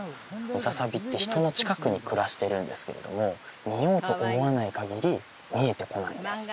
ムササビって人の近くに暮らしてるんですけれども見ようと思わないかぎり見えてこないんです